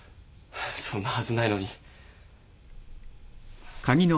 そんなはずないのに。